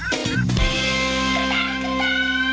เพิ่มเวลา